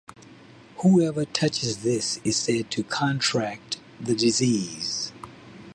Whoever touches this is said to contract the disease.